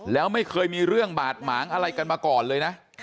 แล้วไม่เคยมีเรื่องบาดหมางอะไรกันมาก่อนเลยนะ